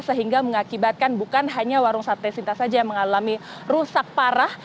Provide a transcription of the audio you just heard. sehingga mengakibatkan bukan hanya warung sate sinta saja yang mengalami rusak parah